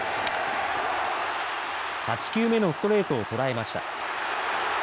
８球目のストレートを捉えました。